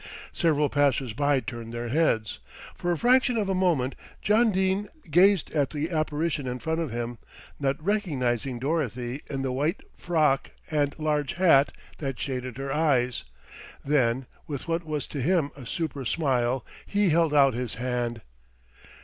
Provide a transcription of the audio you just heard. Several passers by turned their heads. For a fraction of a moment John Dene gazed at the apparition in front of him, not recognising Dorothy in the white frock and large hat that shaded her eyes. Then with what was to him a super smile, he held out his hand.